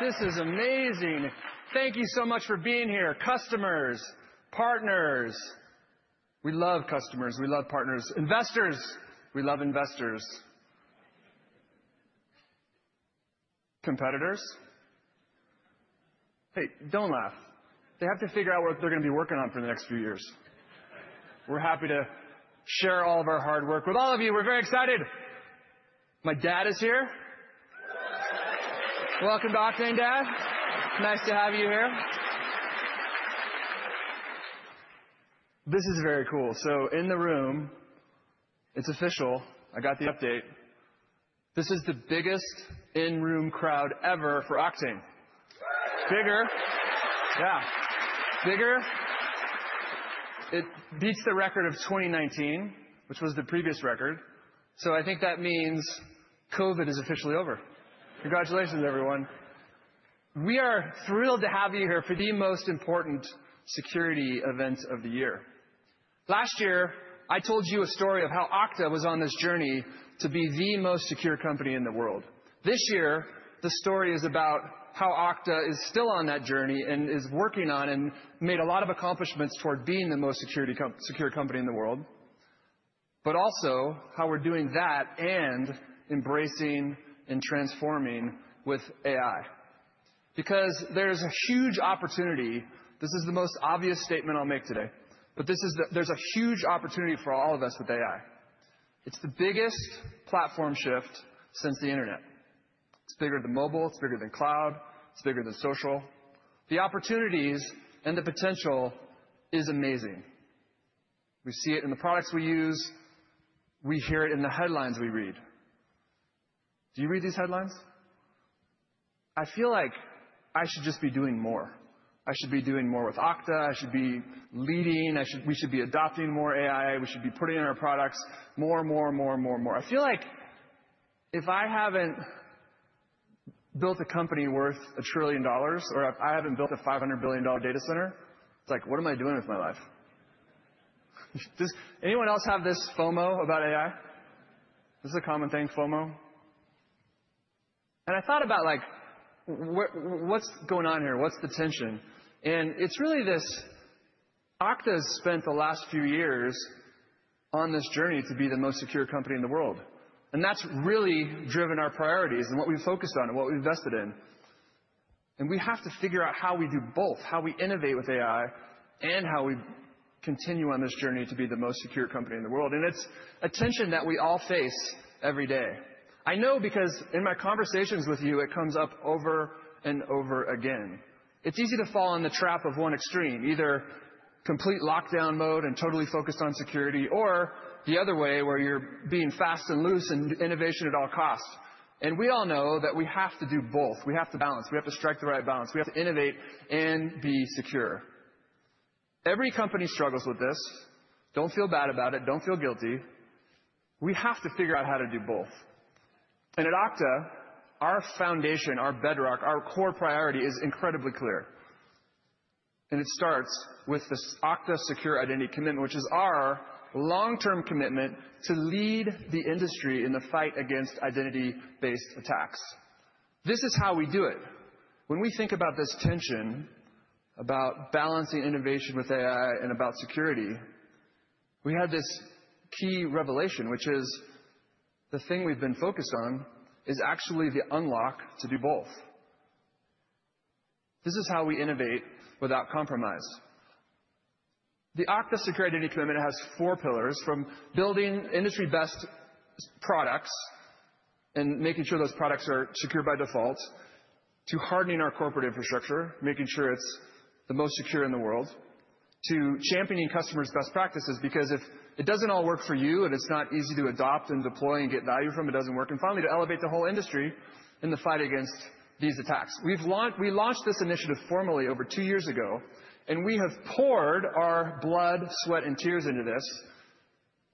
Oktane. Wow. This is amazing. Thank you so much for being here, customers, partners. We love customers. We love partners. Investors, we love investors. Competitors? Hey, don't laugh. They have to figure out what they're going to be working on for the next few years. We're happy to share all of our hard work with all of you. We're very excited. My dad is here. Welcome to Oktane, Dad. Nice to have you here. This is very cool. So in the room, it's official. I got the update. This is the biggest in-room crowd ever for Oktane. Bigger. Yeah. Bigger. It beats the record of 2019, which was the previous record. So I think that means COVID is officially over. Congratulations, everyone. We are thrilled to have you here for the most important security event of the year. Last year, I told you a story of how Okta was on this journey to be the most secure company in the world. This year, the story is about how Okta is still on that journey and is working on and made a lot of accomplishments toward being the most secure company in the world, but also how we're doing that and embracing and transforming with AI. Because there is a huge opportunity, this is the most obvious statement I'll make today, but there's a huge opportunity for all of us with AI. It's the biggest platform shift since the internet. It's bigger than mobile. It's bigger than cloud. It's bigger than social. The opportunities and the potential is amazing. We see it in the products we use. We hear it in the headlines we read. Do you read these headlines? I feel like I should just be doing more. I should be doing more with Okta. I should be leading. We should be adopting more AI. We should be putting in our products more and more and more and more and more. I feel like if I haven't built a company worth $1 trillion or I haven't built a $500 billion data center, it's like, what am I doing with my life? Does anyone else have this FOMO about AI? This is a common thing, FOMO. And I thought about, like, what's going on here? What's the tension? And it's really this: Okta has spent the last few years on this journey to be the most secure company in the world. And that's really driven our priorities and what we've focused on and what we've invested in. And we have to figure out how we do both, how we innovate with AI and how we continue on this journey to be the most secure company in the world. And it's a tension that we all face every day. I know because in my conversations with you, it comes up over and over again. It's easy to fall in the trap of one extreme, either complete lockdown mode and totally focused on security, or the other way where you're being fast and loose and innovation at all costs. And we all know that we have to do both. We have to balance. We have to strike the right balance. We have to innovate and be secure. Every company struggles with this. Don't feel bad about it. Don't feel guilty. We have to figure out how to do both. At Okta, our foundation, our bedrock, our core priority is incredibly clear. It starts with the Okta Secure Identity Commitment, which is our long-term commitment to lead the industry in the fight against identity-based attacks. This is how we do it. When we think about this tension about balancing innovation with AI and about security, we had this key revelation, which is the thing we've been focused on is actually the unlock to do both. This is how we innovate without compromise. The Okta Secure Identity Commitment has four pillars, from building industry-best products and making sure those products are secure by default, to hardening our corporate infrastructure, making sure it's the most secure in the world, to championing customers' best practices. Because if it doesn't all work for you and it's not easy to adopt and deploy and get value from, it doesn't work. And finally, to elevate the whole industry in the fight against these attacks. We launched this initiative formally over two years ago, and we have poured our blood, sweat, and tears into this.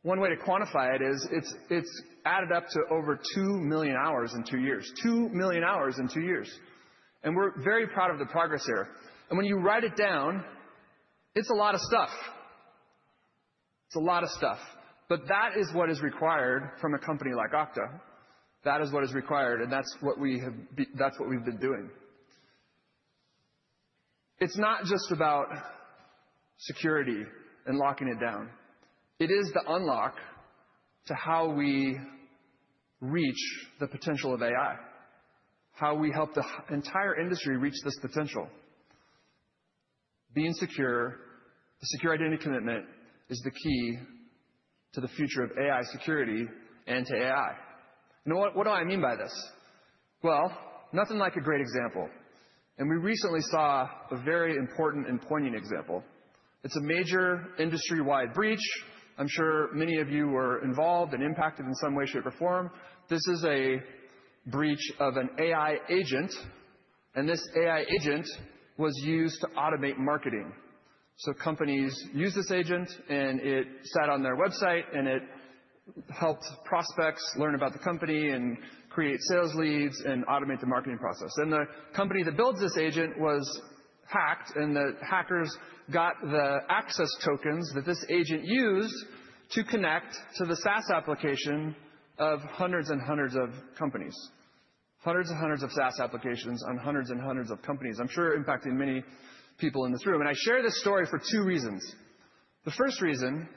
One way to quantify it is it's added up to over two million hours in two years, two million hours in two years. And we're very proud of the progress here. And when you write it down, it's a lot of stuff. It's a lot of stuff. But that is what is required from a company like Okta. That is what is required, and that's what we have, that's what we've been doing. It's not just about security and locking it down. It is the unlock to how we reach the potential of AI, how we help the entire industry reach this potential. Being secure, the Secure Identity Commitment is the key to the future of AI security and to AI. You know what? What do I mean by this? Well, nothing like a great example. And we recently saw a very important and poignant example. It's a major industry-wide breach. I'm sure many of you were involved and impacted in some way, shape, or form. This is a breach of an AI agent. And this AI agent was used to automate marketing. So companies used this agent, and it sat on their website, and it helped prospects learn about the company and create sales leads and automate the marketing process. And the company that builds this agent was hacked, and the hackers got the access tokens that this agent used to connect to the SaaS application of hundreds and hundreds of companies, hundreds and hundreds of SaaS applications on hundreds and hundreds of companies. I'm sure impacting many people in this room. I share this story for two reasons. The first reason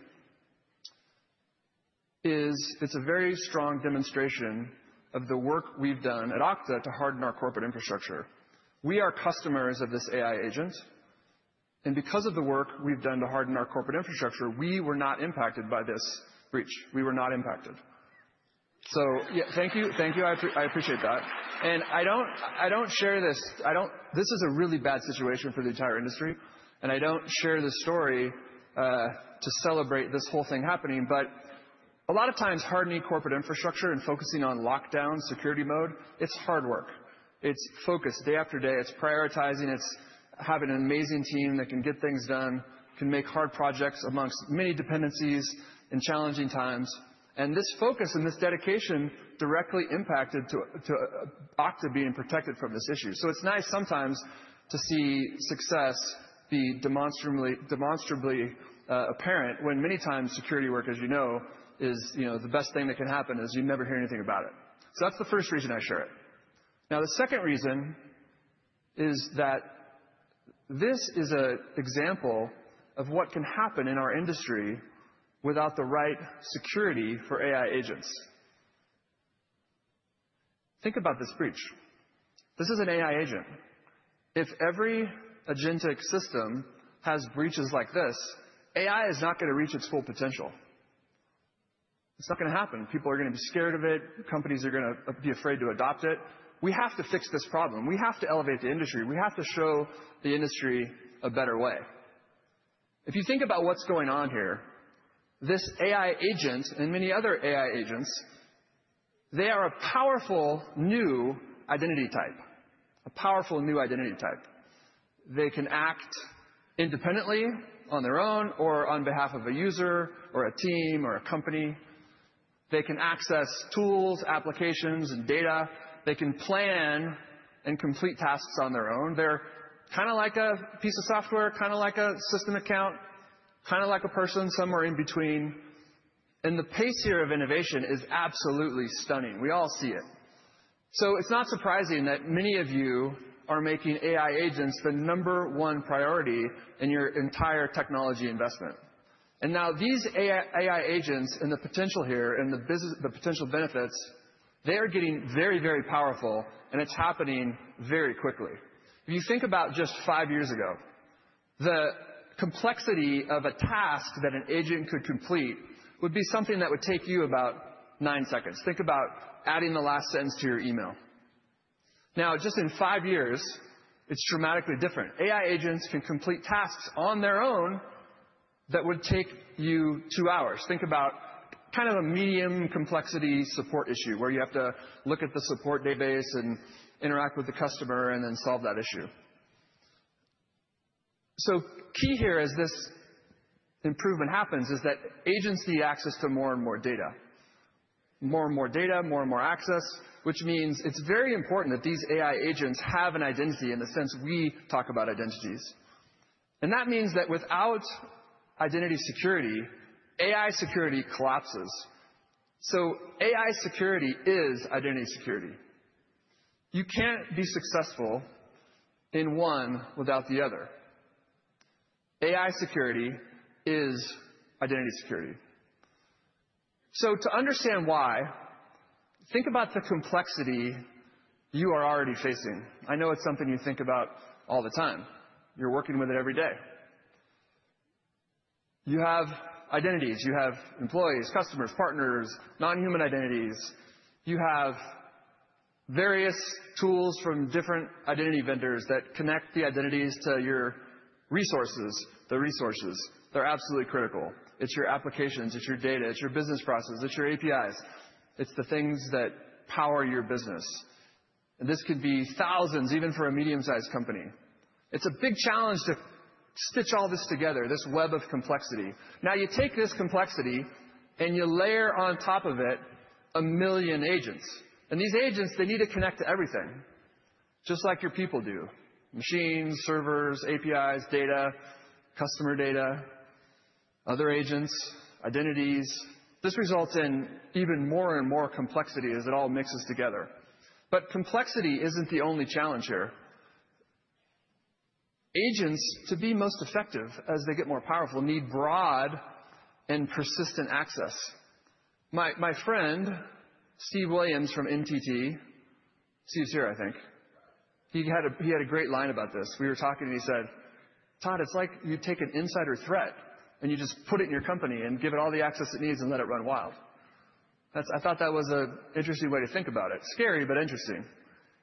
is it's a very strong demonstration of the work we've done at Okta to harden our corporate infrastructure. We are customers of this AI agent. And because of the work we've done to harden our corporate infrastructure, we were not impacted by this breach. We were not impacted. So thank you. Thank you. I appreciate that. I don't share this. This is a really bad situation for the entire industry. And I don't share this story to celebrate this whole thing happening. But a lot of times, hardening corporate infrastructure and focusing on lockdown security mode, it's hard work. It's focus day after day. It's prioritizing. It's having an amazing team that can get things done, can make hard projects amongst many dependencies in challenging times. And this focus and this dedication directly impacted Okta being protected from this issue. So it's nice sometimes to see success be demonstrably apparent when many times security work, as you know, is the best thing that can happen, is you never hear anything about it. So that's the first reason I share it. Now, the second reason is that this is an example of what can happen in our industry without the right security for AI agents. Think about this breach. This is an AI agent. If every agentic system has breaches like this, AI is not going to reach its full potential. It's not going to happen. People are going to be scared of it. Companies are going to be afraid to adopt it. We have to fix this problem. We have to elevate the industry. We have to show the industry a better way. If you think about what's going on here, this AI agent and many other AI agents, they are a powerful new identity type, a powerful new identity type. They can act independently on their own or on behalf of a user or a team or a company. They can access tools, applications, and data. They can plan and complete tasks on their own. They're kind of like a piece of software, kind of like a system account, kind of like a person somewhere in between, and the pace here of innovation is absolutely stunning. We all see it. So it's not surprising that many of you are making AI agents the number one priority in your entire technology investment. And now these AI agents and the potential here and the potential benefits, they are getting very, very powerful, and it's happening very quickly. If you think about just five years ago, the complexity of a task that an agent could complete would be something that would take you about nine seconds. Think about adding the last sentence to your email. Now, just in five years, it's dramatically different. AI agents can complete tasks on their own that would take you two hours. Think about kind of a medium complexity support issue where you have to look at the support database and interact with the customer and then solve that issue. So, key here as this improvement happens is that agents need access to more and more data, more and more data, more and more access, which means it's very important that these AI agents have an identity in the sense we talk about identities. And that means that without identity security, AI security collapses. So, AI security is identity security. You can't be successful in one without the other. AI security is identity security. So, to understand why, think about the complexity you are already facing. I know it's something you think about all the time. You're working with it every day. You have identities. You have employees, customers, partners, non-human identities. You have various tools from different identity vendors that connect the identities to your resources, the resources. They're absolutely critical. It's your applications. It's your data. It's your business processes. It's your APIs. It's the things that power your business. And this could be thousands, even for a medium-sized company. It's a big challenge to stitch all this together, this web of complexity. Now, you take this complexity and you layer on top of it a million agents. And these agents, they need to connect to everything, just like your people do: machines, servers, APIs, data, customer data, other agents, identities. This results in even more and more complexity as it all mixes together. But complexity isn't the only challenge here. Agents, to be most effective as they get more powerful, need broad and persistent access. My friend, Steve Williams from NTT, Steve's here, I think. He had a great line about this. We were talking and he said, "Todd, it's like you take an insider threat and you just put it in your company and give it all the access it needs and let it run wild." I thought that was an interesting way to think about it, scary but interesting.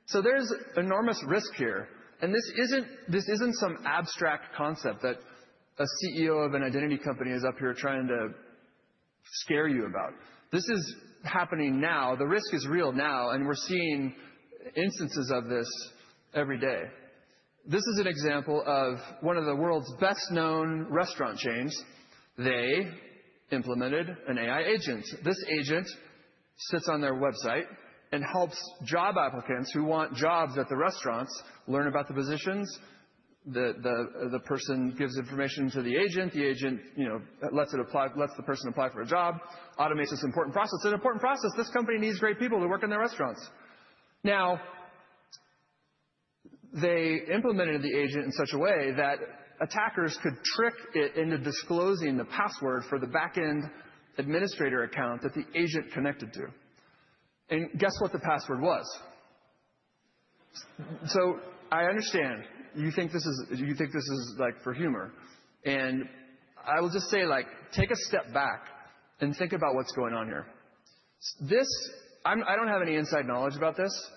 So there's enormous risk here. And this isn't some abstract concept that a CEO of an identity company is up here trying to scare you about. This is happening now. The risk is real now, and we're seeing instances of this every day. This is an example of one of the world's best-known restaurant chains. They implemented an AI agent. This agent sits on their website and helps job applicants who want jobs at the restaurants learn about the positions. The person gives information to the agent. The agent lets the person apply for a job, automates this important process. It's an important process. This company needs great people to work in their restaurants. Now, they implemented the agent in such a way that attackers could trick it into disclosing the password for the back-end administrator account that the agent connected to. And guess what the password was? So I understand you think this is like for humor. And I will just say, like, take a step back and think about what's going on here. I don't have any inside knowledge about this,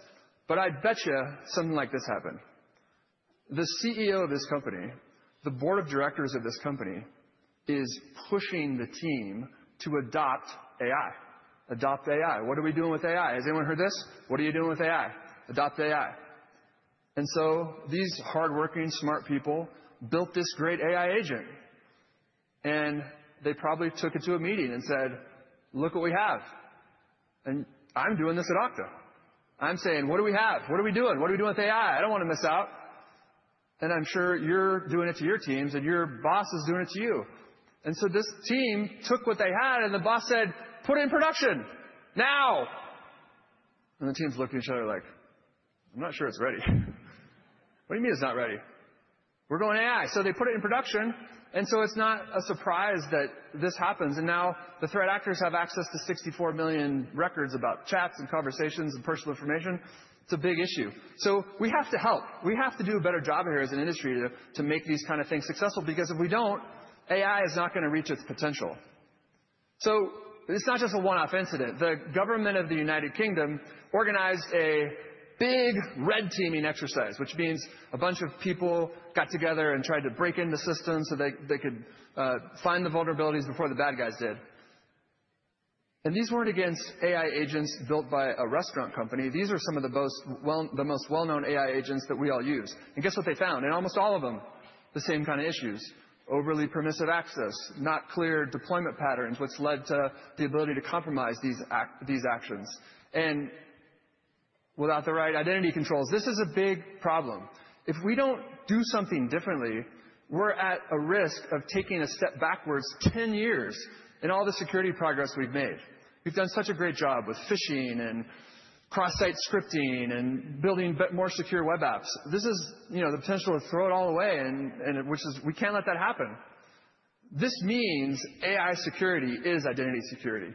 but I bet you something like this happened. The CEO of this company, the board of directors of this company, is pushing the team to adopt AI, adopt AI. What are we doing with AI? Has anyone heard this? What are you doing with AI? Adopt AI. And so these hardworking, smart people built this great AI agent. And they probably took it to a meeting and said, "Look what we have. And I'm doing this at Okta. I'm saying, what do we have? What are we doing? What are we doing with AI? I don't want to miss out." And I'm sure you're doing it to your teams and your boss is doing it to you. And so this team took what they had and the boss said, "Put it in production now." And the teams look at each other like, "I'm not sure it's ready." "What do you mean it's not ready?" "We're going AI." So they put it in production. And so it's not a surprise that this happens. And now the threat actors have access to 64 million records about chats and conversations and personal information. It's a big issue. So we have to help. We have to do a better job here as an industry to make these kinds of things successful. Because if we don't, AI is not going to reach its potential. So it's not just a one-off incident. The government of the United Kingdom organized a big red teaming exercise, which means a bunch of people got together and tried to break into systems so they could find the vulnerabilities before the bad guys did. And these weren't against AI agents built by a restaurant company. These are some of the most well-known AI agents that we all use. And guess what they found? In almost all of them, the same kind of issues: overly permissive access, not clear deployment patterns, which led to the ability to compromise these actions. And without the right identity controls, this is a big problem. If we don't do something differently, we're at a risk of taking a step backwards 10 years in all the security progress we've made. We've done such a great job with phishing and cross-site scripting and building more secure web apps. This is the potential to throw it all away, which is we can't let that happen. This means AI security is identity security.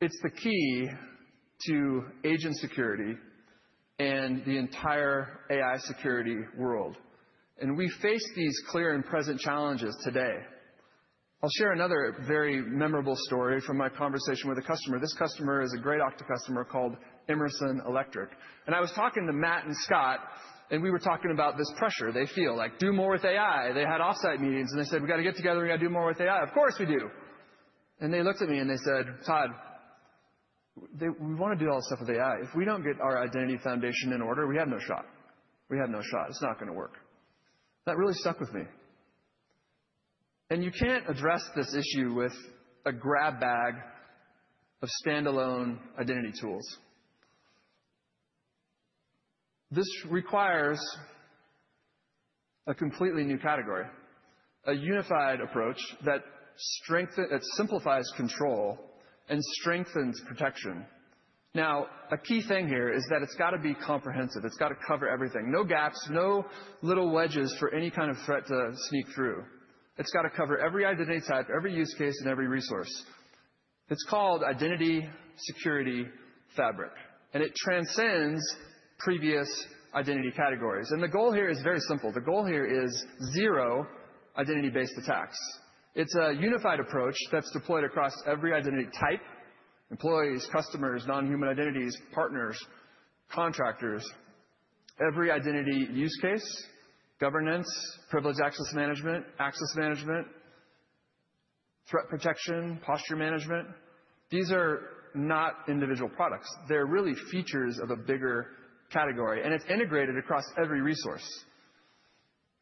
It's the key to agent security and the entire AI security world. And we face these clear and present challenges today. I'll share another very memorable story from my conversation with a customer. This customer is a great Okta customer called Emerson Electric. And I was talking to Matt and Scott, and we were talking about this pressure they feel, like, "Do more with AI." They had offsite meetings, and they said, "We got to get together. We got to do more with AI." Of course we do. And they looked at me and they said, "Todd, we want to do all this stuff with AI. If we don't get our identity foundation in order, we have no shot. We have no shot. It's not going to work." That really stuck with me. And you can't address this issue with a grab bag of standalone identity tools. This requires a completely new category, a unified approach that simplifies control and strengthens protection. Now, a key thing here is that it's got to be comprehensive. It's got to cover everything. No gaps, no little wedges for any kind of threat to sneak through. It's got to cover every identity type, every use case, and every resource. It's called Identity Security Fabric, and it transcends previous identity categories. And the goal here is very simple. The goal here is zero identity-based attacks. It's a unified approach that's deployed across every identity type: employees, customers, non-human identities, partners, contractors, every identity use case, governance, privileged access management, access management, threat protection, posture management. These are not individual products. They're really features of a bigger category. And it's integrated across every resource: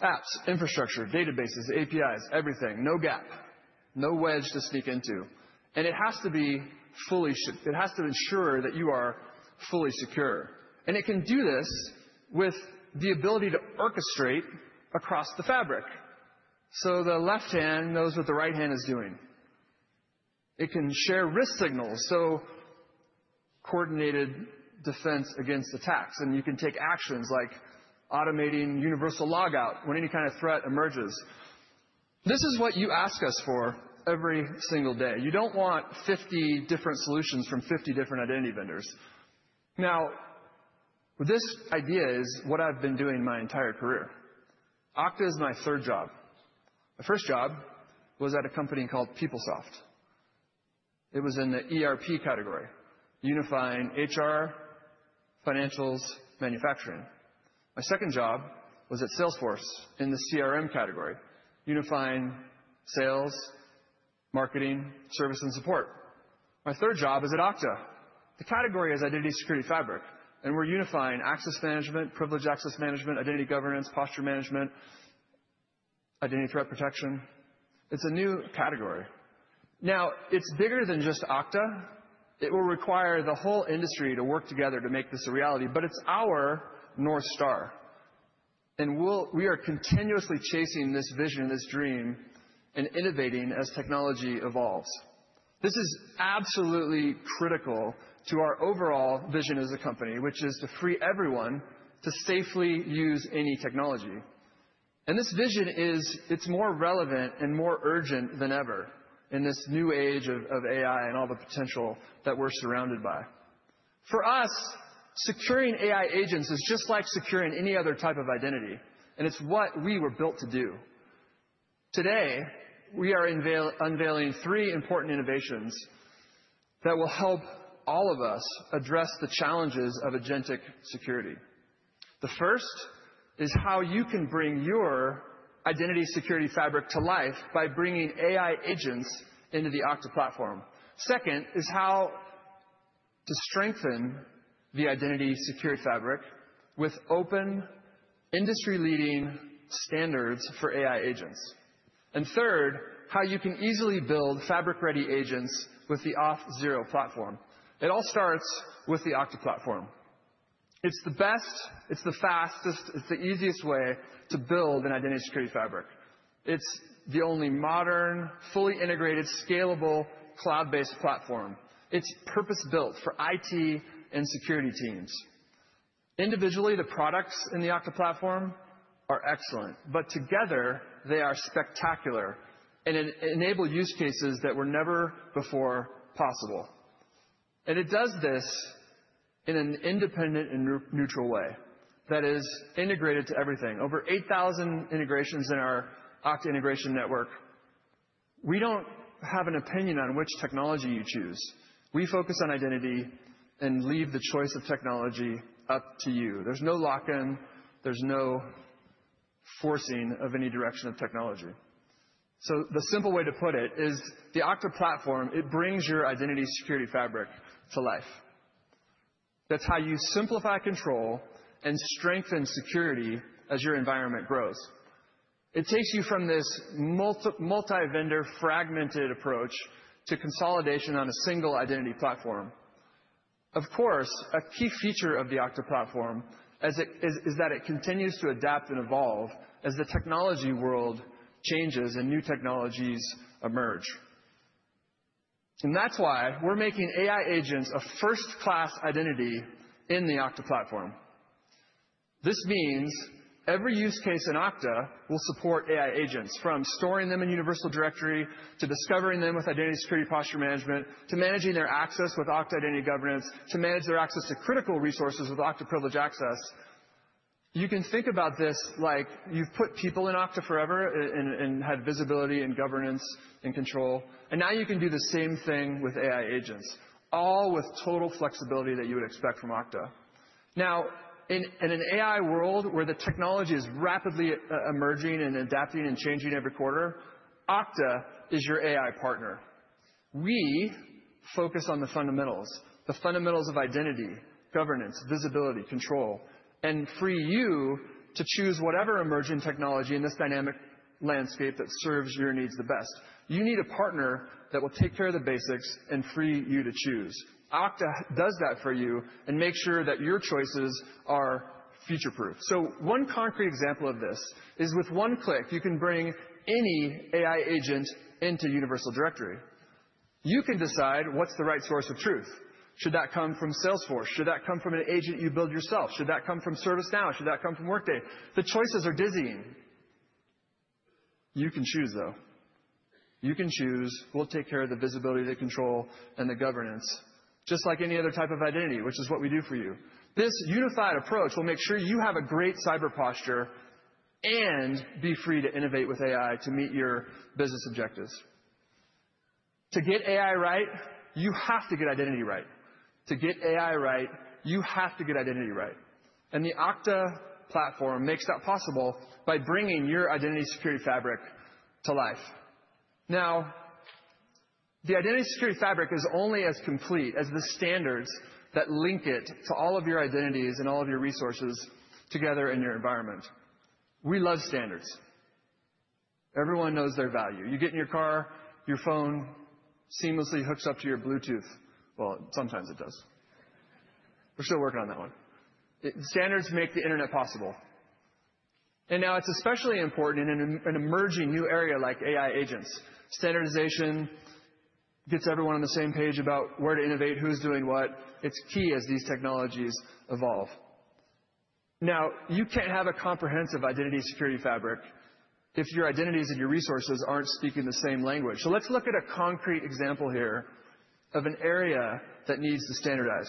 apps, infrastructure, databases, APIs, everything. No gap, no wedge to sneak into. And it has to be fully shipped. It has to ensure that you are fully secure. And it can do this with the ability to orchestrate across the fabric. So the left hand knows what the right hand is doing. It can share risk signals, so coordinated defense against attacks. And you can take actions like automating universal logout when any kind of threat emerges. This is what you ask us for every single day. You don't want 50 different solutions from 50 different identity vendors. Now, this idea is what I've been doing my entire career. Okta is my third job. My first job was at a company called PeopleSoft. It was in the ERP category, unifying HR, financials, manufacturing. My second job was at Salesforce in the CRM category, unifying sales, marketing, service, and support. My third job is at Okta. The category is Identity Security Fabric, and we're unifying access management, privileged access management, identity governance, posture management, identity threat protection. It's a new category. Now, it's bigger than just Okta. It will require the whole industry to work together to make this a reality. But it's our North Star. We are continuously chasing this vision, this dream, and innovating as technology evolves. This is absolutely critical to our overall vision as a company, which is to free everyone to safely use any technology, and this vision is, it's more relevant and more urgent than ever in this new age of AI and all the potential that we're surrounded by. For us, securing AI agents is just like securing any other type of identity, and it's what we were built to do. Today, we are unveiling three important innovations that will help all of us address the challenges of agentic security. The first is how you can bring your identity security fabric to life by bringing AI agents into the Okta platform. Second is how to strengthen the identity security fabric with open industry-leading standards for AI agents, and third, how you can easily build fabric-ready agents with the Auth0 platform. It all starts with the Okta platform. It's the best, it's the fastest, it's the easiest way to build an Identity Security Fabric. It's the only modern, fully integrated, scalable cloud-based platform. It's purpose-built for IT and security teams. Individually, the products in the Okta platform are excellent. But together, they are spectacular and enable use cases that were never before possible. And it does this in an independent and neutral way that is integrated to everything. Over 8,000 integrations in our Okta Integration Network. We don't have an opinion on which technology you choose. We focus on identity and leave the choice of technology up to you. There's no lock-in. There's no forcing of any direction of technology. So the simple way to put it is the Okta platform, it brings your Identity Security Fabric to life. That's how you simplify control and strengthen security as your environment grows. It takes you from this multi-vendor fragmented approach to consolidation on a single identity platform. Of course, a key feature of the Okta platform is that it continues to adapt and evolve as the technology world changes and new technologies emerge. And that's why we're making AI agents a first-class identity in the Okta platform. This means every use case in Okta will support AI agents, from storing them in Universal Directory to discovering them with Identity Security Posture Management, to managing their access with Okta Identity Governance, to manage their access to critical resources with Okta Privileged Access. You can think about this like you've put people in Okta forever and had visibility and governance and control. And now you can do the same thing with AI agents, all with total flexibility that you would expect from Okta. Now, in an AI world where the technology is rapidly emerging and adapting and changing every quarter, Okta is your AI partner. We focus on the fundamentals, the fundamentals of identity, governance, visibility, control, and free you to choose whatever emerging technology in this dynamic landscape that serves your needs the best. You need a partner that will take care of the basics and free you to choose. Okta does that for you and makes sure that your choices are future-proof. So one concrete example of this is with one click, you can bring any AI agent into Universal Directory. You can decide what's the right source of truth. Should that come from Salesforce? Should that come from an agent you build yourself? Should that come from ServiceNow? Should that come from Workday? The choices are dizzying. You can choose, though. You can choose. We'll take care of the visibility, the control, and the governance, just like any other type of identity, which is what we do for you. This unified approach will make sure you have a great cyber posture and be free to innovate with AI to meet your business objectives. To get AI right, you have to get identity right. To get AI right, you have to get identity right. And the Okta platform makes that possible by bringing your Identity Security Fabric to life. Now, the Identity Security Fabric is only as complete as the standards that link it to all of your identities and all of your resources together in your environment. We love standards. Everyone knows their value. You get in your car, your phone seamlessly hooks up to your Bluetooth, well, sometimes it does. We're still working on that one. Standards make the internet possible. And now it's especially important in an emerging new area like AI agents. Standardization gets everyone on the same page about where to innovate, who's doing what. It's key as these technologies evolve. Now, you can't have a comprehensive Identity Security Fabric if your identities and your resources aren't speaking the same language. So let's look at a concrete example here of an area that needs to standardize.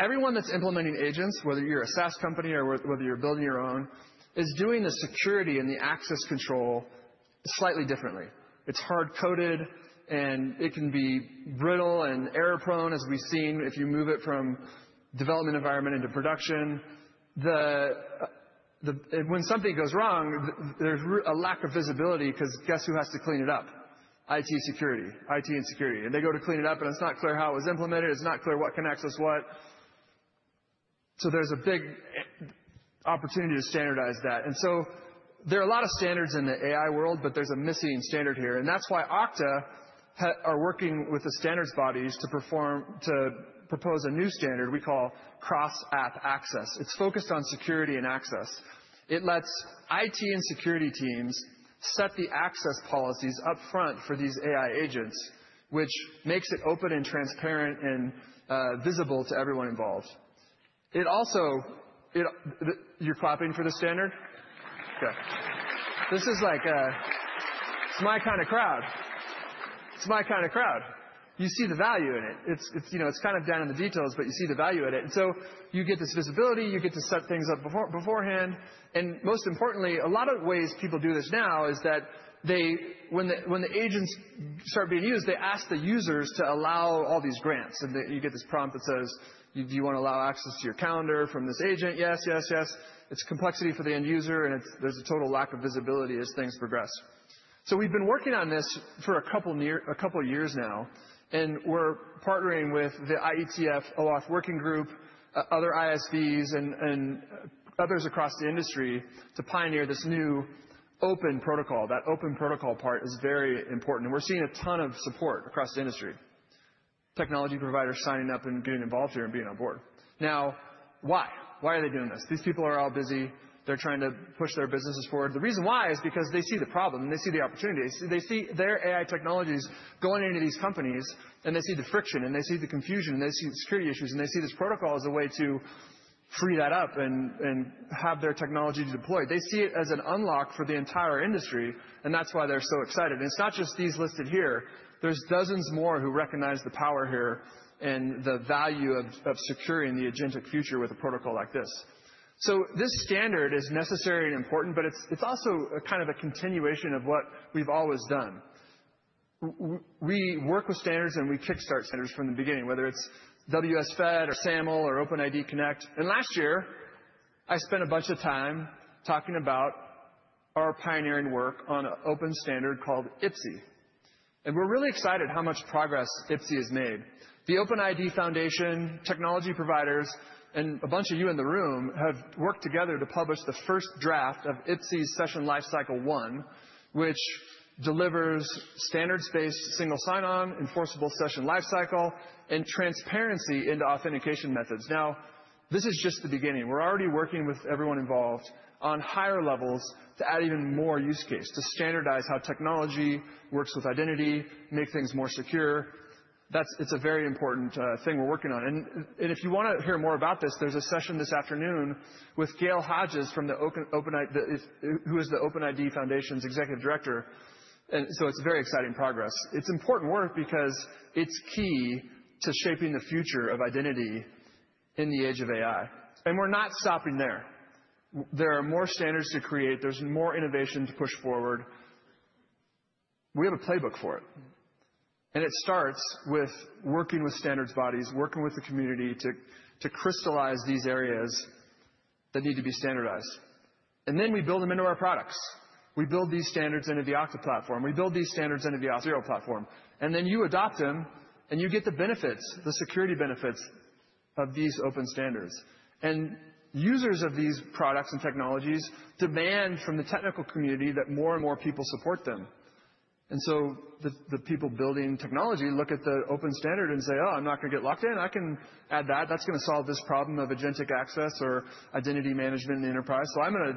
Everyone that's implementing agents, whether you're a SaaS company or whether you're building your own, is doing the security and the access control slightly differently. It's hard-coded, and it can be brittle and error-prone, as we've seen if you move it from development environment into production. When something goes wrong, there's a lack of visibility because guess who has to clean it up? IT security, IT and security. And they go to clean it up, and it's not clear how it was implemented. It's not clear what can access what. So there's a big opportunity to standardize that. And so there are a lot of standards in the AI world, but there's a missing standard here. And that's why Okta are working with the standards bodies to propose a new standard we call Cross-App Access. It's focused on security and access. It lets IT and security teams set the access policies upfront for these AI agents, which makes it open and transparent and visible to everyone involved. You're clapping for the standard? Okay. This is like a, it's my kind of crowd. It's my kind of crowd. You see the value in it. It's kind of down in the details, but you see the value in it. And so you get this visibility. You get to set things up beforehand. And most importantly, a lot of ways people do this now is that when the agents start being used, they ask the users to allow all these grants. And you get this prompt that says, "Do you want to allow access to your calendar from this agent?" Yes, yes, yes. It's complexity for the end user, and there's a total lack of visibility as things progress. So we've been working on this for a couple years now, and we're partnering with the IETF OAuth Working Group, other ISVs, and others across the industry to pioneer this new open protocol. That open protocol part is very important. And we're seeing a ton of support across the industry, technology providers signing up and getting involved here and being on board. Now, why? Why are they doing this? These people are all busy. They're trying to push their businesses forward. The reason why is because they see the problem, and they see the opportunity. They see their AI technologies going into these companies, and they see the friction, and they see the confusion, and they see the security issues, and they see this protocol as a way to free that up and have their technology deployed. They see it as an unlock for the entire industry, and that's why they're so excited. And it's not just these listed here. There's dozens more who recognize the power here and the value of securing the agentic future with a protocol like this. So this standard is necessary and important, but it's also kind of a continuation of what we've always done. We work with standards, and we kickstart standards from the beginning, whether it's WSFed, SAML, or OpenID Connect. Last year, I spent a bunch of time talking about our pioneering work on an open standard called IPSIE. We're really excited how much progress IPSIE has made. The OpenID Foundation, technology providers, and a bunch of you in the room have worked together to publish the first draft of IPSIE's Session Lifecycle 1, which delivers standards-based single sign-on, enforceable session lifecycle, and transparency into authentication methods. Now, this is just the beginning. We're already working with everyone involved on higher levels to add even more use cases, to standardize how technology works with identity, make things more secure. It's a very important thing we're working on. If you want to hear more about this, there's a session this afternoon with Gail Hodges, the OpenID Foundation's Executive Director. So it's very exciting progress. It's important work because it's key to shaping the future of identity in the age of AI. And we're not stopping there. There are more standards to create. There's more innovation to push forward. We have a playbook for it. And it starts with working with standards bodies, working with the community to crystallize these areas that need to be standardized. And then we build them into our products. We build these standards into the Okta platform. We build these standards into the Auth0 platform. And then you adopt them, and you get the benefits, the security benefits of these open standards. And users of these products and technologies demand from the technical community that more and more people support them. And so the people building technology look at the open standard and say, "Oh, I'm not going to get locked in. I can add that. That's going to solve this problem of agentic access or identity management in the enterprise. "So I'm going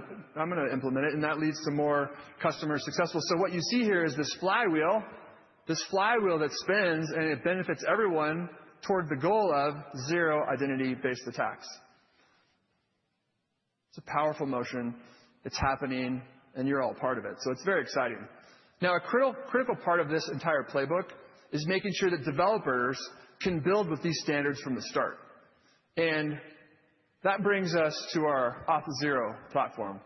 to implement it." And that leads to more customers successful. So what you see here is this flywheel, this flywheel that spins, and it benefits everyone toward the goal of zero identity-based attacks. It's a powerful motion. It's happening, and you're all part of it. So it's very exciting. Now, a critical part of this entire playbook is making sure that developers can build with these standards from the start. And that brings us to our Auth0 platform.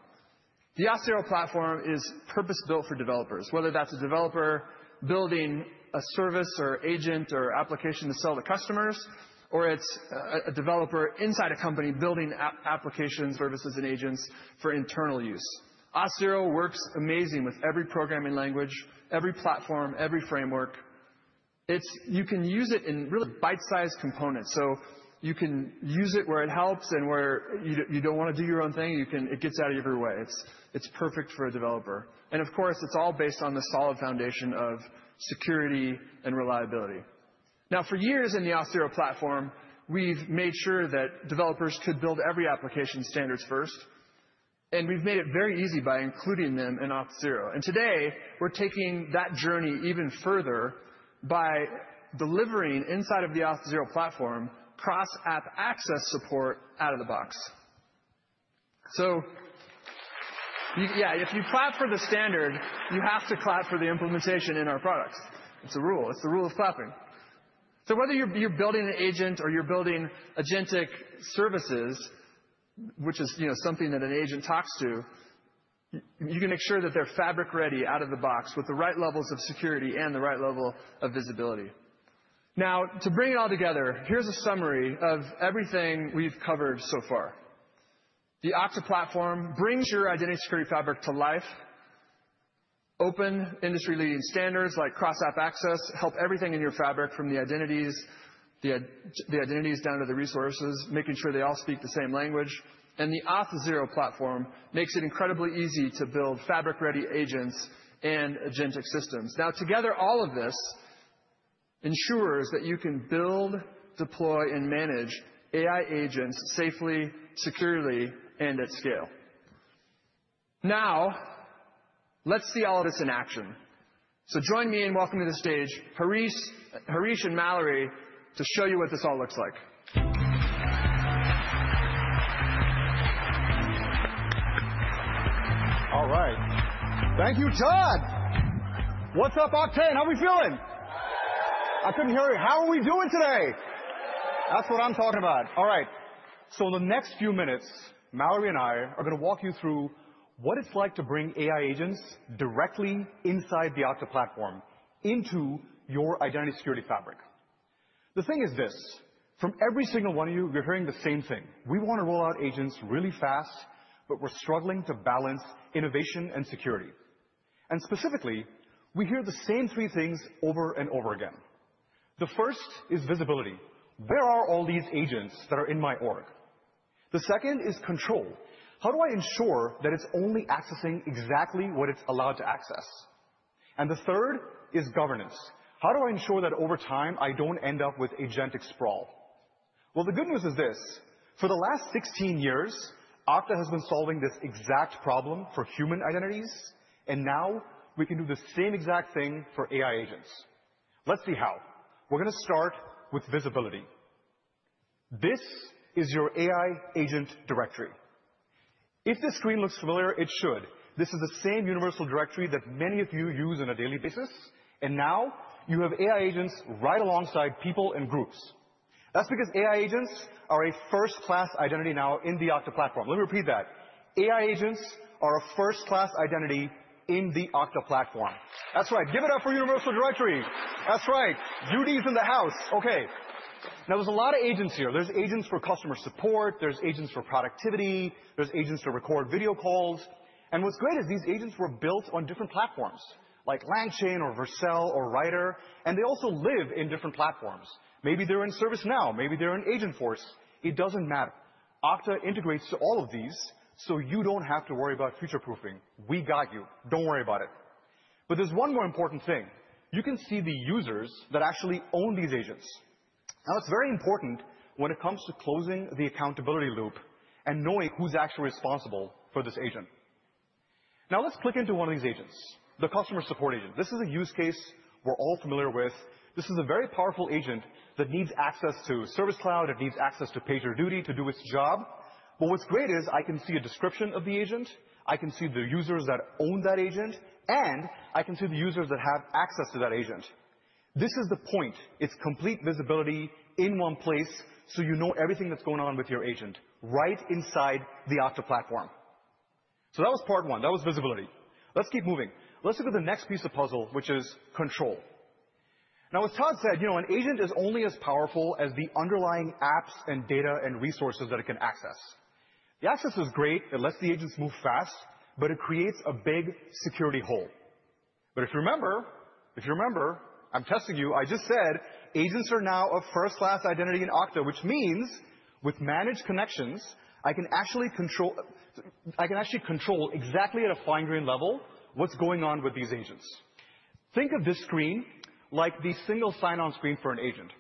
The Auth0 platform is purpose-built for developers, whether that's a developer building a service or agent or application to sell to customers, or it's a developer inside a company building applications, services, and agents for internal use. Auth0 works amazing with every programming language, every platform, every framework. You can use it in really bite-sized components. So you can use it where it helps and where you don't want to do your own thing. It gets out of every way. It's perfect for a developer. And of course, it's all based on the solid foundation of security and reliability. Now, for years in the Auth0 platform, we've made sure that developers could build every application standards first. And we've made it very easy by including them in Auth0. And today, we're taking that journey even further by delivering inside of the Auth0 platform cross-app access support out of the box. So yeah, if you clap for the standard, you have to clap for the implementation in our products. It's a rule. It's the rule of clapping. So whether you're building an agent or you're building agentic services, which is something that an agent talks to, you can make sure that they're fabric-ready out of the box with the right levels of security and the right level of visibility. Now, to bring it all together, here's a summary of everything we've covered so far. The Okta platform brings your identity security fabric to life. Open industry-leading standards like cross-app access help everything in your fabric from the identities down to the resources, making sure they all speak the same language. And the Auth0 platform makes it incredibly easy to build fabric-ready agents and agentic systems. Now, together, all of this ensures that you can build, deploy, and manage AI agents safely, securely, and at scale. Now, let's see all of this in action. So join me in welcoming to the stage Harish and Mallory to show you what this all looks like. All right. Thank you, Todd. What's up, Okta? How are we feeling? Good. I couldn't hear you. How are we doing today? Good. That's what I'm talking about. All right. So in the next few minutes, Mallory and I are going to walk you through what it's like to bring AI agents directly inside the Okta platform into your identity security fabric. The thing is this. From every single one of you, you're hearing the same thing. We want to roll out agents really fast, but we're struggling to balance innovation and security. And specifically, we hear the same three things over and over again. The first is visibility. Where are all these agents that are in my org? The second is control. How do I ensure that it's only accessing exactly what it's allowed to access? And the third is governance. How do I ensure that over time, I don't end up with agentic sprawl? Well, the good news is this. For the last 16 years, Okta has been solving this exact problem for human identities, and now we can do the same exact thing for AI agents. Let's see how. We're going to start with visibility. This is your AI agent directory. If this screen looks familiar, it should. This is the same Universal Directory that many of you use on a daily basis. And now you have AI agents right alongside people and groups. That's because AI agents are a first-class identity now in the Okta platform. Let me repeat that. AI agents are a first-class identity in the Okta platform. That's right. Give it up for Universal Directory. That's right. U.D.'s in the house. Okay. Now, there's a lot of agents here. There's agents for customer support. There's agents to record video calls. And what's great is these agents were built on different platforms, like LangChain or Vercel or Writer. And they also live in different platforms. Maybe they're in ServiceNow. Maybe they're in Agentforce. It doesn't matter. Okta integrates to all of these, so you don't have to worry about future-proofing. We got you. Don't worry about it. But there's one more important thing. You can see the users that actually own these agents. Now, it's very important when it comes to closing the accountability loop and knowing who's actually responsible for this agent. Now, let's click into one of these agents, the customer support agent. This is a use case we're all familiar with. This is a very powerful agent that needs access to Service Cloud. It needs access to PagerDuty to do its job. But what's great is I can see a description of the agent. I can see the users that own that agent, and I can see the users that have access to that agent. This is the point. It's complete visibility in one place, so you know everything that's going on with your agent right inside the Okta platform. So that was part one. That was visibility. Let's keep moving. Let's look at the next piece of puzzle, which is control. Now, as Todd said, an agent is only as powerful as the underlying apps and data and resources that it can access. The access is great. It lets the agents move fast, but it creates a big security hole. But if you remember, if you remember, I'm testing you. I just said agents are now a first-class identity in Okta, which means with managed connections, I can actually control exactly at a fine-grained level what's going on with these agents. Think of this screen like the single sign-on screen for an agent.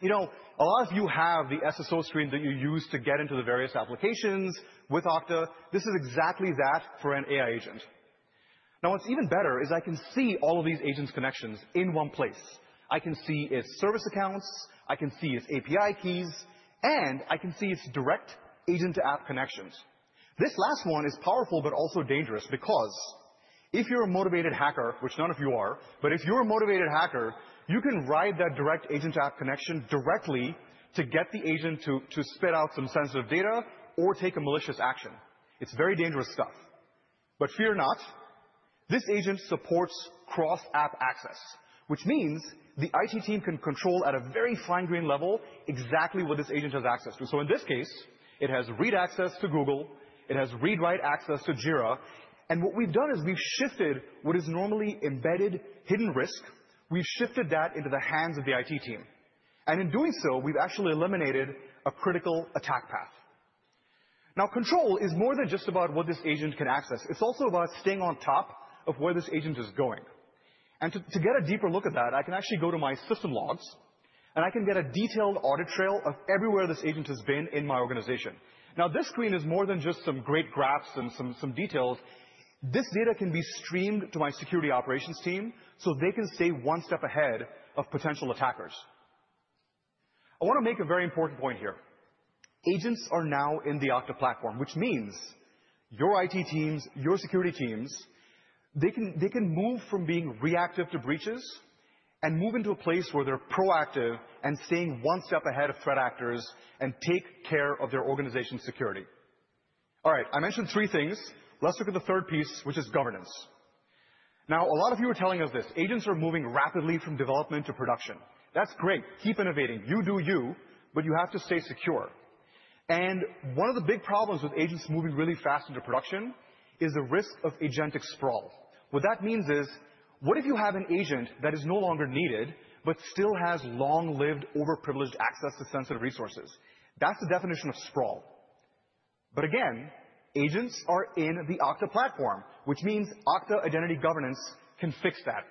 A lot of you have the SSO screen that you use to get into the various applications with Okta. This is exactly that for an AI agent. Now, what's even better is I can see all of these agents' connections in one place. I can see its service accounts. I can see its API keys, and I can see its direct agent-to-app connections. This last one is powerful, but also dangerous because if you're a motivated hacker, which none of you are, but if you're a motivated hacker, you can ride that direct agent-to-app connection directly to get the agent to spit out some sensitive data or take a malicious action. It's very dangerous stuff. But fear not. This agent supports cross-app access, which means the IT team can control at a very fine-grained level exactly what this agent has access to. So in this case, it has read access to Google. It has read-write access to Jira. And what we've done is we've shifted what is normally embedded hidden risk. We've shifted that into the hands of the IT team. And in doing so, we've actually eliminated a critical attack path. Now, control is more than just about what this agent can access. It's also about staying on top of where this agent is going, and to get a deeper look at that, I can actually go to my system logs, and I can get a detailed audit trail of everywhere this agent has been in my organization. Now, this screen is more than just some great graphs and some details. This data can be streamed to my security operations team so they can stay one step ahead of potential attackers. I want to make a very important point here. Agents are now in the Okta platform, which means your IT teams, your security teams, they can move from being reactive to breaches and move into a place where they're proactive and staying one step ahead of threat actors and take care of their organization's security. All right. I mentioned three things. Let's look at the third piece, which is governance. Now, a lot of you are telling us this. Agents are moving rapidly from development to production. That's great. Keep innovating. You do you, but you have to stay secure. And one of the big problems with agents moving really fast into production is the risk of agentic sprawl. What that means is what if you have an agent that is no longer needed but still has long-lived overprivileged access to sensitive resources? That's the definition of sprawl. But again, agents are in the Okta platform, which means Okta Identity Governance can fix that.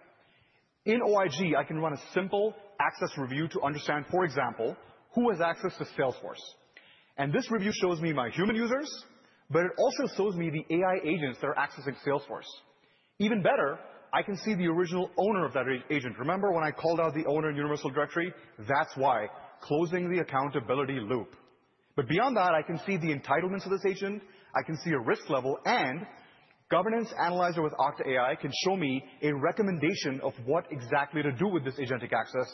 In OIG, I can run a simple access review to understand, for example, who has access to Salesforce. And this review shows me my human users, but it also shows me the AI agents that are accessing Salesforce. Even better, I can see the original owner of that agent. Remember when I called out the owner in Universal Directory? That's why. Closing the accountability loop. But beyond that, I can see the entitlements of this agent. I can see a risk level. And Governance Analyzer with Okta AI can show me a recommendation of what exactly to do with this agentic access.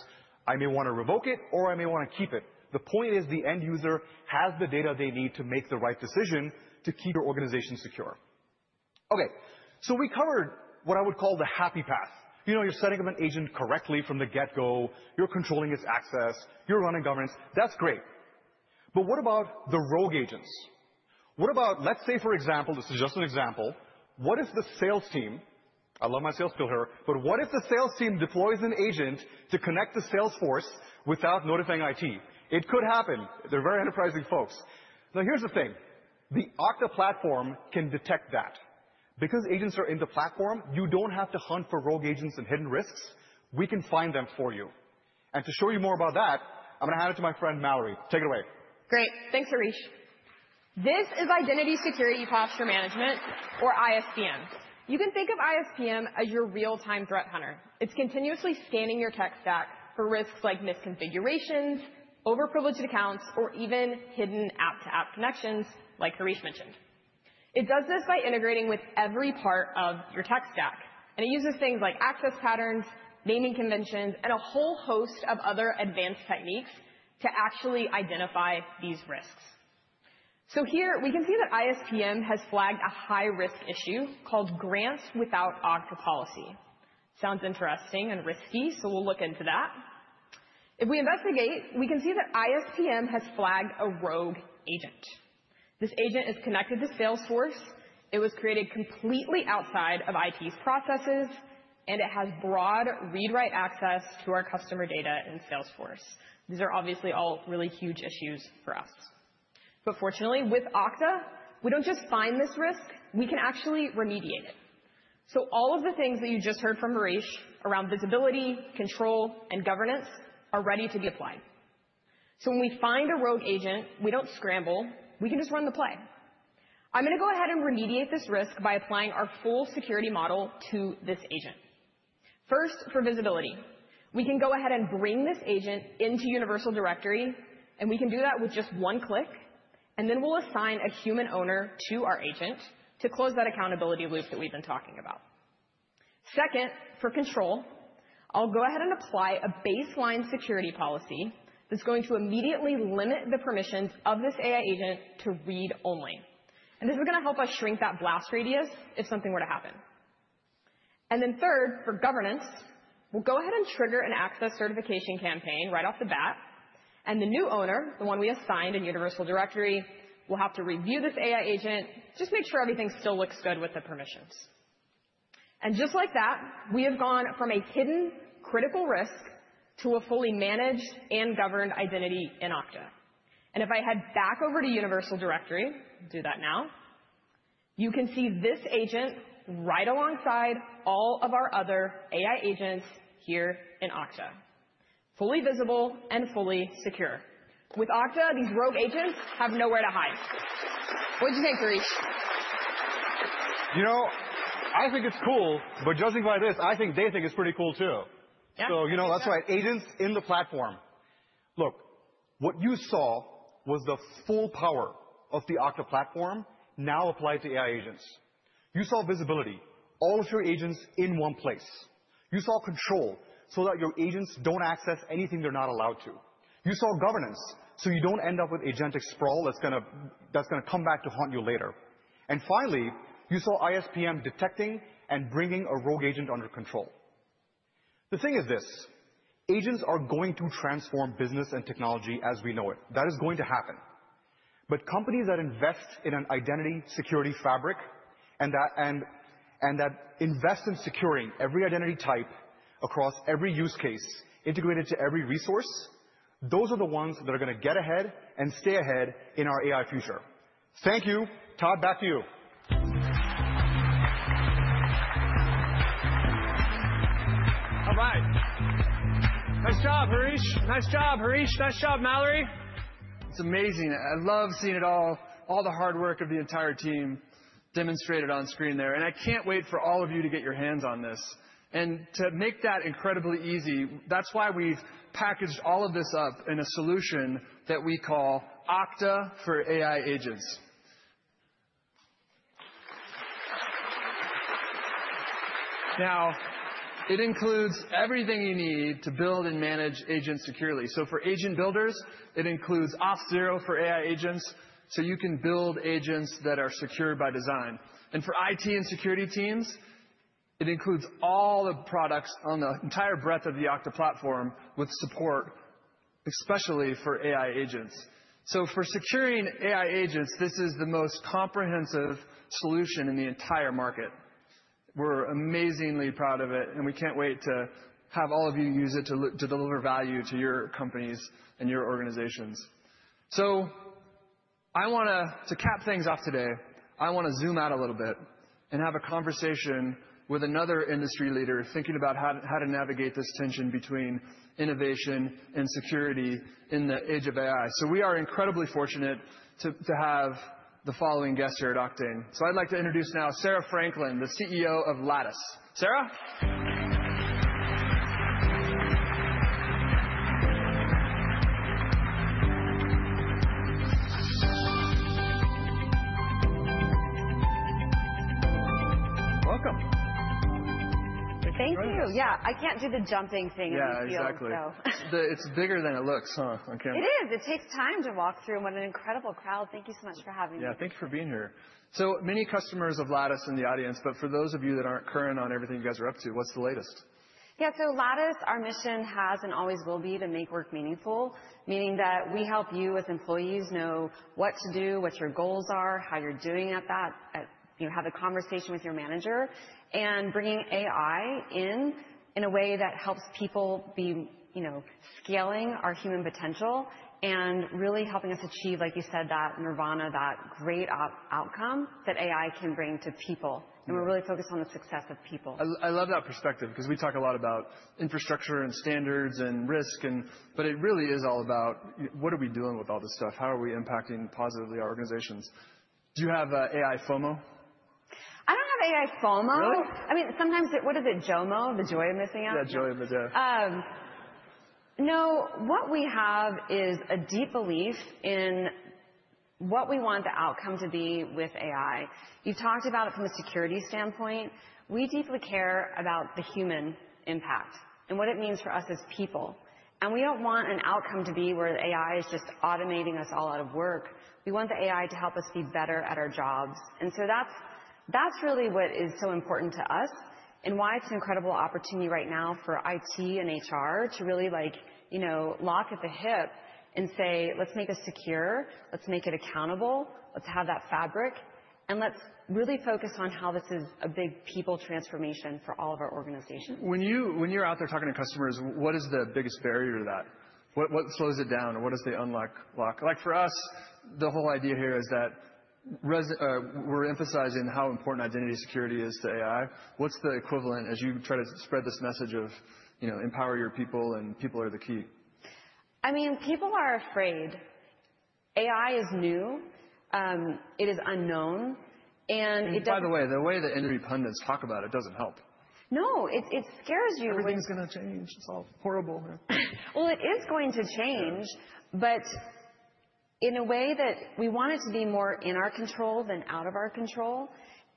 I may want to revoke it, or I may want to keep it. The point is the end user has the data they need to make the right decision to keep your organization secure. Okay. So we covered what I would call the happy path. You're setting up an agent correctly from the get-go. You're controlling its access. You're running governance. That's great. But what about the rogue agents? What about, let's say, for example, this is just an example. What if the sales team - I love my sales skill here - but what if the sales team deploys an agent to connect to Salesforce without notifying IT? It could happen. They're very enterprising folks. Now, here's the thing. The Okta platform can detect that. Because agents are in the platform, you don't have to hunt for rogue agents and hidden risks. We can find them for you. And to show you more about that, I'm going to hand it to my friend Mallory. Take it away. Great. Thanks, Harish. This is Identity Security Posture Management, or ISPM. You can think of ISPM as your real-time threat hunter. It's continuously scanning your tech stack for risks like misconfigurations, overprivileged accounts, or even hidden app-to-app connections, like Harish mentioned. It does this by integrating with every part of your tech stack. And it uses things like access patterns, naming conventions, and a whole host of other advanced techniques to actually identify these risks. So here, we can see that ISPM has flagged a high-risk issue called Grants Without Okta Policy. Sounds interesting and risky, so we'll look into that. If we investigate, we can see that ISPM has flagged a rogue agent. This agent is connected to Salesforce. It was created completely outside of IT's processes, and it has broad read-write access to our customer data in Salesforce. These are obviously all really huge issues for us. But fortunately, with Okta, we don't just find this risk. We can actually remediate it. So all of the things that you just heard from Harish around visibility, control, and governance are ready to be applied. So when we find a rogue agent, we don't scramble. We can just run the play. I'm going to go ahead and remediate this risk by applying our full security model to this agent. First, for visibility, we can go ahead and bring this agent into Universal Directory, and we can do that with just one click, and then we'll assign a human owner to our agent to close that accountability loop that we've been talking about. Second, for control, I'll go ahead and apply a baseline security policy that's going to immediately limit the permissions of this AI agent to read only, and this is going to help us shrink that blast radius if something were to happen, and then third, for governance, we'll go ahead and trigger an access certification campaign right off the bat. And the new owner, the one we assigned in Universal Directory, will have to review this AI agent, just make sure everything still looks good with the permissions. And just like that, we have gone from a hidden critical risk to a fully managed and governed identity in Okta. And if I head back over to Universal Directory, do that now, you can see this agent right alongside all of our other AI agents here in Okta. Fully visible and fully secure. With Okta, these rogue agents have nowhere to hide. What did you think, Harish? You know, I think it's cool. But judging by this, I think they think it's pretty cool too. So that's right. Agents in the platform. Look, what you saw was the full power of the Okta platform now applied to AI agents. You saw visibility, all of your agents in one place. You saw control so that your agents don't access anything they're not allowed to. You saw governance so you don't end up with agentic sprawl that's going to come back to haunt you later. And finally, you saw ISPM detecting and bringing a rogue agent under control. The thing is this. Agents are going to transform business and technology as we know it. That is going to happen. But companies that invest in an identity security fabric and that invest in securing every identity type across every use case integrated to every resource, those are the ones that are going to get ahead and stay ahead in our AI future. Thank you. Todd, back to you. All right. Nice job, Harish. Nice job, Harish. Nice job, Mallory. It's amazing. I love seeing all the hard work of the entire team demonstrated on screen there. And I can't wait for all of you to get your hands on this and to make that incredibly easy. That's why we've packaged all of this up in a solution that we call Okta for AI Agents. Now, it includes everything you need to build and manage agents securely. So for agent builders, it includes Auth0 for AI Agents so you can build agents that are secure by design. And for IT and security teams, it includes all the products on the entire breadth of the Okta platform with support, especially for AI Agents. So for securing AI Agents, this is the most comprehensive solution in the entire market. We're amazingly proud of it, and we can't wait to have all of you use it to deliver value to your companies and your organizations. So I want to cap things off today. I want to zoom out a little bit and have a conversation with another industry leader thinking about how to navigate this tension between innovation and security in the age of AI. So we are incredibly fortunate to have the following guest here at OCTAIN. So I'd like to introduce now Sarah Franklin, the CEO of Lattice. Sarah? Welcome. Thank you. Yeah. I can't do the jumping thing in the field. Yeah, exactly. It's bigger than it looks, huh, on camera. It is. It takes time to walk through. What an incredible crowd. Thank you so much for having me. Yeah, thank you for being here. So many customers of Lattice in the audience, but for those of you that aren't current on everything you guys are up to, what's the latest? Yeah, so Lattice, our mission has and always will be to make work meaningful, meaning that we help you as employees know what to do, what your goals are, how you're doing at that, have a conversation with your manager, and bringing AI in in a way that helps people be scaling our human potential and really helping us achieve, like you said, that nirvana, that great outcome that AI can bring to people. And we're really focused on the success of people. I love that perspective because we talk a lot about infrastructure and standards and risk, but it really is all about what are we doing with all this stuff? How are we impacting positively our organizations? Do you have AI FOMO? I don't have AI FOMO. I mean, sometimes what is it? JOMO, the joy of missing out? Yeah, joy of missing out. No, what we have is a deep belief in what we want the outcome to be with AI. You talked about it from a security standpoint. We deeply care about the human impact and what it means for us as people. And we don't want an outcome to be where the AI is just automating us all out of work. We want the AI to help us be better at our jobs. And so that's really what is so important to us and why it's an incredible opportunity right now for IT and HR to really join at the hip and say, "Let's make this secure. Let's make it accountable. Let's have that fabric. And let's really focus on how this is a big people transformation for all of our organizations." When you're out there talking to customers, what is the biggest barrier to that? What slows it down? What does the unlock? Like for us, the whole idea here is that we're emphasizing how important identity security is to AI. What's the equivalent as you try to spread this message of empower your people and people are the key? I mean, people are afraid. AI is new. It is unknown, and it doesn't. By the way, the way the intelligentsia talk about it doesn't help. No, it scares you. Everything's going to change. It's all horrible here. Well, it is going to change, but in a way that we want it to be more in our control than out of our control.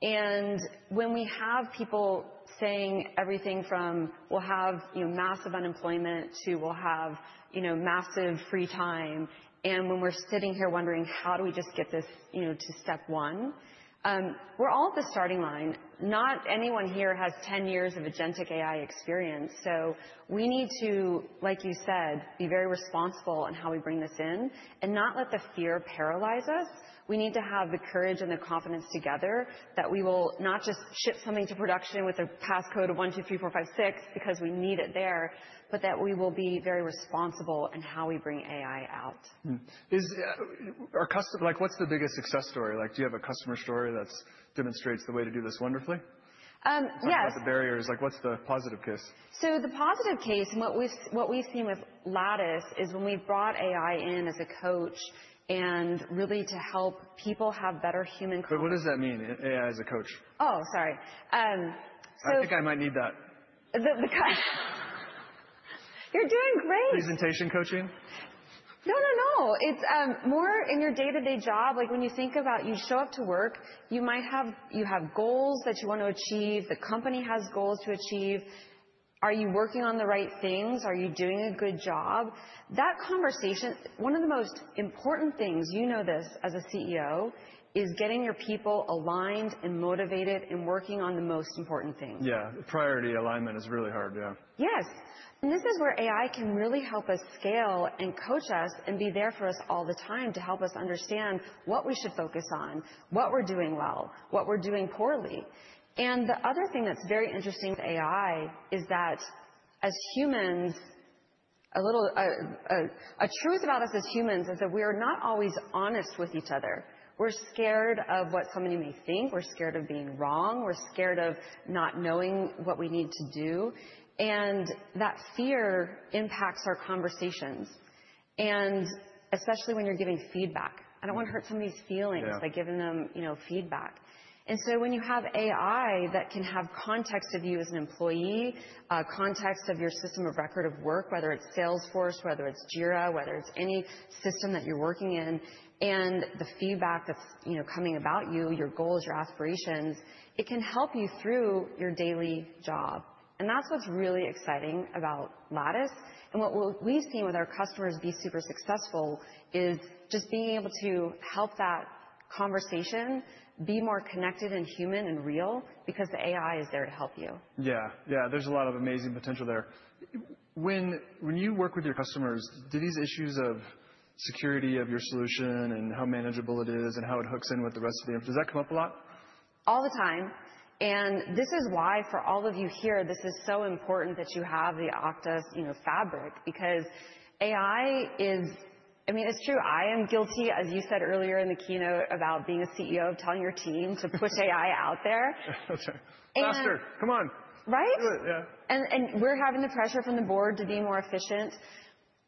And when we have people saying everything from, "We'll have massive unemployment" to "We'll have massive free time," and when we're sitting here wondering, "How do we just get this to step one?" We're all at the starting line. Not anyone here has 10 years of agentic AI experience. So we need to, like you said, be very responsible in how we bring this in and not let the fear paralyze us. We need to have the courage and the confidence together that we will not just ship something to production with a passcode of 1, 2, 3, 4, 5, 6 because we need it there, but that we will be very responsible in how we bring AI out. What's the biggest success story? Do you have a customer story that demonstrates the way to do this wonderfully? Yes. What's the barriers? What's the positive case? So the positive case and what we've seen with Lattice is when we've brought AI in as a coach and really to help people have better human - but what does that mean, AI as a coach? Oh, sorry. I think I might need that. You're doing great. Presentation coaching? No, no, no. It's more in your day-to-day job. When you think about you show up to work, you have goals that you want to achieve. The company has goals to achieve. Are you working on the right things? Are you doing a good job? That conversation, one of the most important things, you know this as a CEO, is getting your people aligned and motivated and working on the most important things. Yeah, priority alignment is really hard, yeah. Yes. And this is where AI can really help us scale and coach us and be there for us all the time to help us understand what we should focus on, what we're doing well, what we're doing poorly. And the other thing that's very interesting with AI is that as humans, a truth about us as humans is that we are not always honest with each other. We're scared of what somebody may think. We're scared of being wrong. We're scared of not knowing what we need to do. And that fear impacts our conversations, especially when you're giving feedback. I don't want to hurt somebody's feelings by giving them feedback. And so when you have AI that can have context of you as an employee, context of your system of record of work, whether it's Salesforce, whether it's Jira, whether it's any system that you're working in, and the feedback that's coming about you, your goals, your aspirations, it can help you through your daily job. And that's what's really exciting about Lattice. And what we've seen with our customers be super successful is just being able to help that conversation be more connected and human and real because the AI is there to help you. Yeah, yeah. There's a lot of amazing potential there. When you work with your customers, do these issues of security of your solution and how manageable it is and how it hooks in with the rest of the infrastructure, does that come up a lot? All the time. And this is why for all of you here, this is so important that you have the Okta's fabric because AI is, I mean, it's true. I am guilty, as you said earlier in the keynote about being a CEO, of telling your team to push AI out there. That's right. Faster. Come on. Right? Do it, yeah. And we're having the pressure from the board to be more efficient.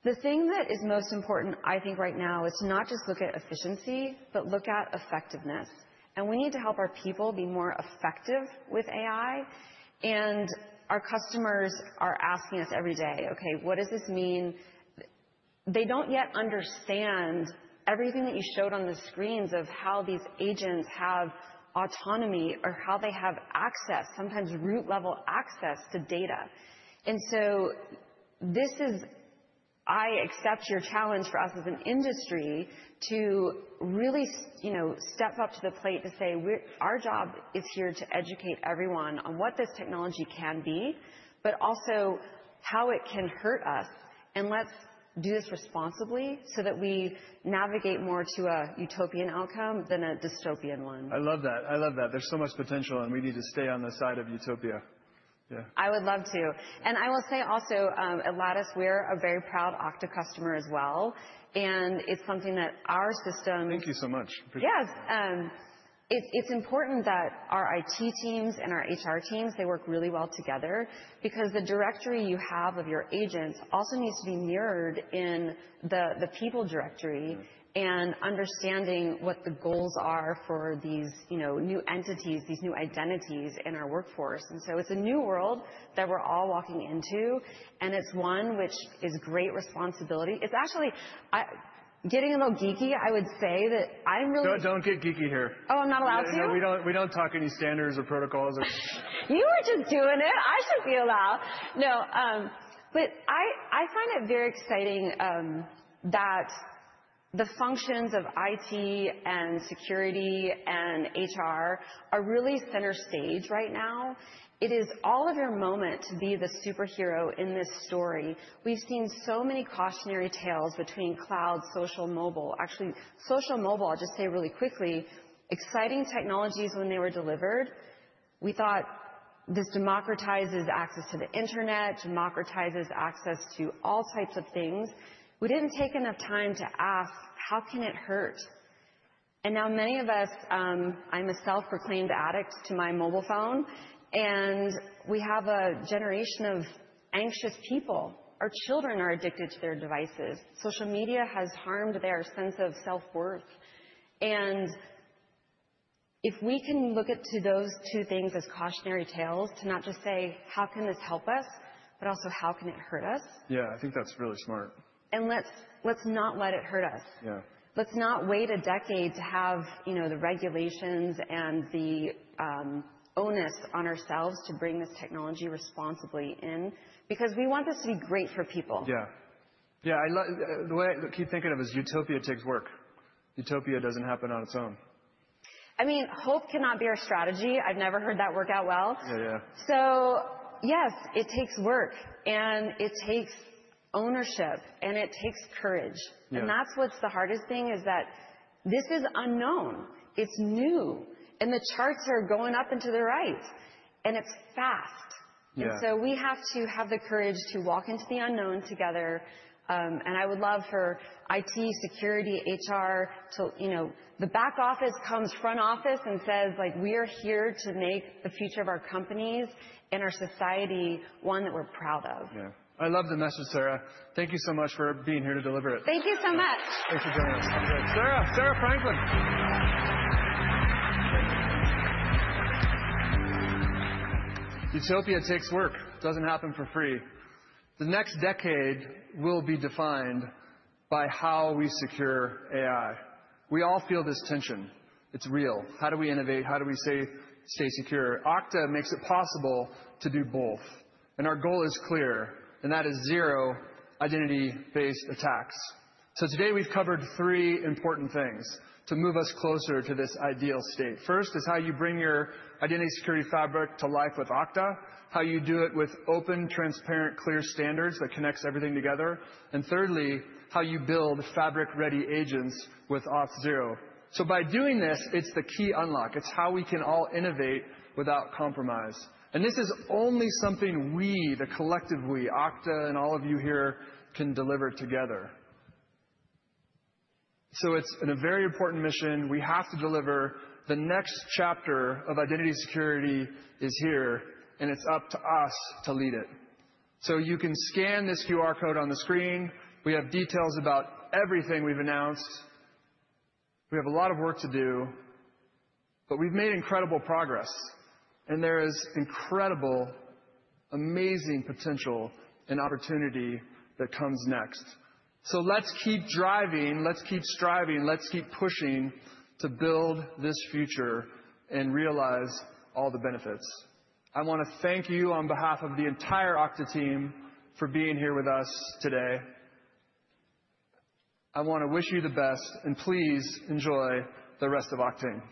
The thing that is most important, I think, right now is to not just look at efficiency, but look at effectiveness. And we need to help our people be more effective with AI. And our customers are asking us every day, "Okay, what does this mean?" They don't yet understand everything that you showed on the screens of how these agents have autonomy or how they have access, sometimes root-level access to data. And so this is. I accept your challenge for us as an industry to really step up to the plate to say, "Our job is here to educate everyone on what this technology can be, but also how it can hurt us. And let's do this responsibly so that we navigate more to a utopian outcome than a dystopian one. I love that. I love that. There's so much potential, and we need to stay on the side of utopia. Yeah. I would love to. And I will say also, at Lattice, we're a very proud Okta customer as well. And it's something that our system. Thank you so much. Yes. It's important that our IT teams and our HR teams, they work really well together because the directory you have of your agents also needs to be mirrored in the people directory and understanding what the goals are for these new entities, these new identities in our workforce. And so it's a new world that we're all walking into. And it's one which is great responsibility. It's actually getting a little geeky. I would say that I'm really. Don't get geeky here. Oh, I'm not allowed to? We don't talk any standards or protocols. You are just doing it. I should be allowed. No. But I find it very exciting that the functions of IT and security and HR are really center stage right now. It is all of your moment to be the superhero in this story. We've seen so many cautionary tales between cloud, social, mobile. Actually, social, mobile, I'll just say really quickly, exciting technologies when they were delivered. We thought this democratizes access to the internet, democratizes access to all types of things. We didn't take enough time to ask, "How can it hurt?" And now many of us, I'm a self-proclaimed addict to my mobile phone. And we have a generation of anxious people. Our children are addicted to their devices. Social media has harmed their sense of self-worth. And if we can look at those two things as cautionary tales to not just say, "How can this help us?" but also, "How can it hurt us?" Yeah, I think that's really smart. And let's not let it hurt us. Yeah. Let's not wait a decade to have the regulations and the onus on ourselves to bring this technology responsibly in because we want this to be great for people. Yeah. Yeah. The way I keep thinking of it is utopia takes work. Utopia doesn't happen on its own. I mean, hope cannot be our strategy. I've never heard that work out well. Yeah, yeah. So yes, it takes work, and it takes ownership, and it takes courage. And that's what's the hardest thing is that this is unknown. It's new. And the charts are going up and to the right. And it's fast. And so we have to have the courage to walk into the unknown together. And I would love for IT, security, HR, the back office to front office and says, "We are here to make the future of our companies and our society one that we're proud of." Yeah. I love the message, Sarah. Thank you so much for being here to deliver it. Thank you so much. Thanks for joining us. Sarah Franklin. Utopia takes work. It doesn't happen for free. The next decade will be defined by how we secure AI. We all feel this tension. It's real. How do we innovate? How do we stay secure? Okta makes it possible to do both. And our goal is clear. And that is zero identity-based attacks. So today we've covered three important things to move us closer to this ideal state. First is how you bring your identity security fabric to life with Okta, how you do it with open, transparent, clear standards that connect everything together. And thirdly, how you build fabric-ready agents with Auth0. So by doing this, it's the key unlock. It's how we can all innovate without compromise. And this is only something we, the collective we, Okta and all of you here, can deliver together. So it's a very important mission. We have to deliver. The next chapter of identity security is here, and it's up to us to lead it. So you can scan this QR code on the screen. We have details about everything we've announced. We have a lot of work to do, but we've made incredible progress. And there is incredible, amazing potential and opportunity that comes next. So let's keep driving. Let's keep striving. Let's keep pushing to build this future and realize all the benefits. I want to thank you on behalf of the entire Okta team for being here with us today. I want to wish you the best, and please enjoy the rest of Okta.